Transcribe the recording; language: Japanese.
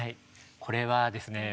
これはですねああ！